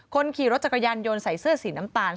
คนขี่รถจักรยานยนต์ใส่เสื้อสีน้ำตาล